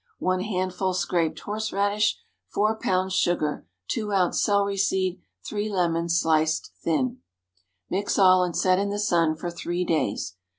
1 handful scraped horseradish. 4 lbs. sugar. 2 oz. celery seed. 3 lemons, sliced thin. Mix all and set in the sun for three days.